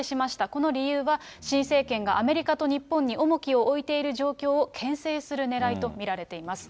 この理由は、新政権がアメリカと日本に重きを置いている状況をけん制するねらいと見られています。